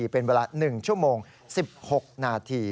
เป็นเวลา๑ชั่วโมง๑๖นาที